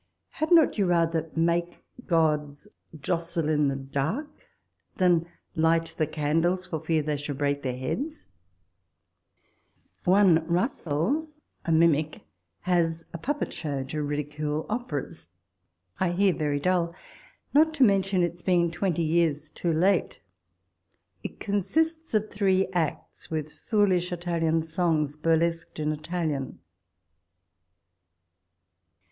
Had not you rather make gods "jostle in the dark," than light the candles for fear they should break their heads 'I One Russel, a mimic, has a pujDpet show to ridicule Operas ; I hear, very dull, not to mention its being twenty years too late : it consists of three acts, with foolish Italian songs burlesqued in Italian.